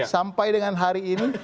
sampai dengan hari ini